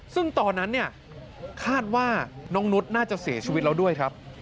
ซึ่งตอนนั้นเนี่ยคาดว่าน้องนุษย์น่าจะเสียชีวิตแล้วด้วยครับ